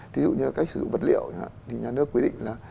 thí dụ như là cách sử dụng vật liệu thì nhà nước quyết định là